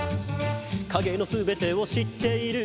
「影の全てを知っている」